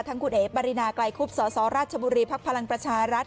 ทั้งคุณเอ๋ปารินาไกลคุบสรชมพประชารัฐ